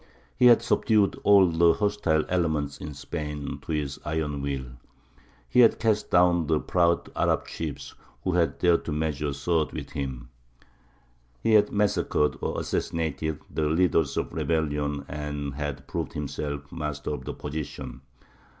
He had subdued all the hostile elements in Spain to his iron will; he had cast down the proud Arab chiefs who had dared to measure swords with him; he had massacred, or assassinated, the leaders of rebellion, and had proved himself master of the position.